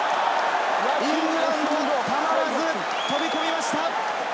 イングランド、たまらず飛び込みました。